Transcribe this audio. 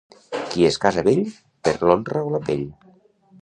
Qui es casa vell, perd l'honra o la pell.